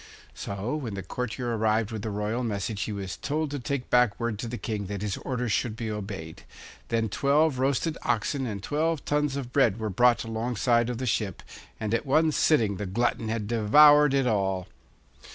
So when the courtier arrived with the royal message he was told to take back word to the King that his orders should be obeyed. Then twelve roasted oxen and twelve tons of bread were brought alongside of the ship, and at one sitting the glutton had devoured it all.